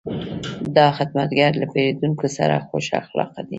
دا خدمتګر له پیرودونکو سره خوش اخلاقه دی.